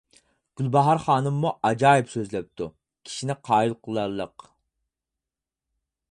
گۈلباھار خانىممۇ ئاجايىپ سۆزلەپتۇ، كىشىنى قايىل قىلارلىق.